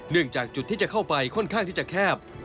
จากจุดที่จะเข้าไปค่อนข้างที่จะแคบ